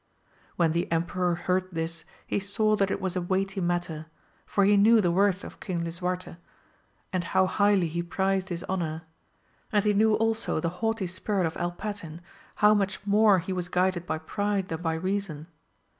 When the emperor heard this he saw that it was a weighty matter, for he knew the worth of King Lisuarte, 136 AMADIS OF GAUL. « and how highly he prized his honour ; and he knew also the haughty spirit of El Patin, how much more he was guided by pride than by reason.